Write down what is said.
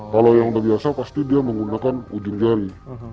kalau yang gak biasa pasti dia menggunakan ujung jari